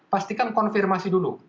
pastikan konfirmasi dulu